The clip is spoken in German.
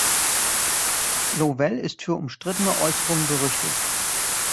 Lowell ist für umstrittene Äußerungen berüchtigt.